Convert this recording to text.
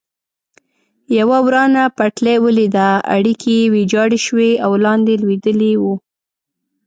یوه ورانه پټلۍ ولیده، اړیکي یې ویجاړ شوي او لاندې لوېدلي و.